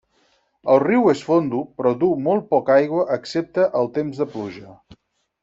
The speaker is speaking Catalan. El riu és fondo, però duu molt poca aigua excepte el temps de pluja.